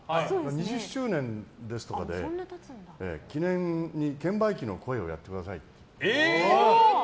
２０周年ですとかで記念に券売機の声をやってくださいって。